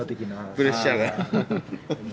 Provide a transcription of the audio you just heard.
プレッシャーが。